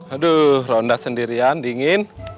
aduh ronda sendirian dingin